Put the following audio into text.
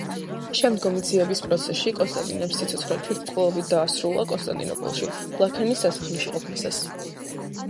შემდგომი ძიების პროცესში კონსტანტინემ სიცოცხლე თვითმკვლელობით დაასრულა კონსტანტინეპოლში, ვლაქერნის სასახლეში ყოფნისას.